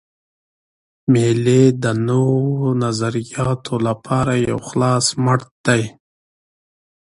مېلې د نوو نظریاتو له پاره یو خلاص مټ دئ.